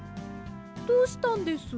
どうしたんです？